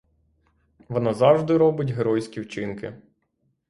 Вона завжди робить геройські вчинки.